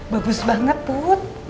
bagus banget put